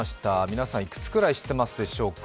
皆さん、いくつくらい知っていますでしょうか？